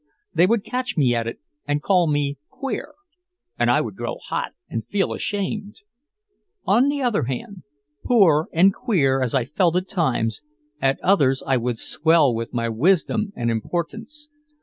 They would catch me at it and call me queer. And I would grow hot and feel ashamed. On the other hand, poor and queer as I felt at times, at others I would swell with my wisdom and importance.